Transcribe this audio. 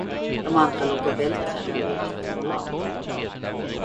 De andra låg och vältrade över vatten och land.